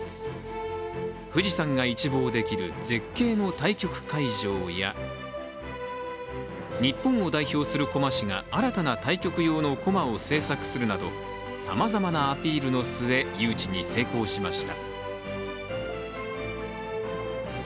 富士山が一望できる絶景の対局会場や日本を代表する駒師が新たな対局用の駒を制作するなどさまざまなアピールの末、誘致に成功しました。